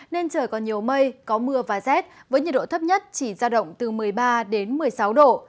nên trời còn nhiều mây có mưa và rét với nhiệt độ thấp nhất chỉ ra động từ một mươi ba đến một mươi sáu độ